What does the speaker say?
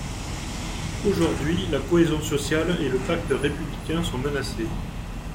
Aujourd’hui, la cohésion sociale et le pacte républicain sont menacés.